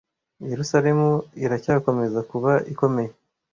yerusalemu iracyakomeza kuba ikomeye